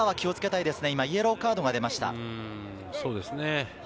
そうですね。